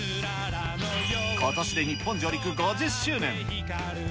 ことしで日本上陸５０周年。